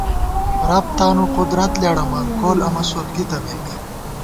رب تانُو قدرت لېڑَمان ، کول امہ سودگی تمېک